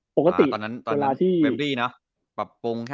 ปกติเว็มบรีเนอะปรับปรุง